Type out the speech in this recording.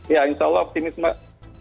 ya insya allah optimis mbak